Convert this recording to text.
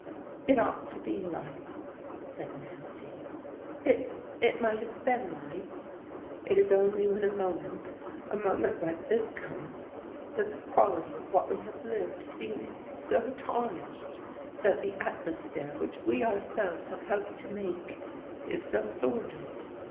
"It ought to be life," said Nancy. "It it might have been life.... It is only when a moment, a moment like this comes that the quality of what we have lived seems so tarnished, that the atmosphere which we ourselves have helped to make is so sordid.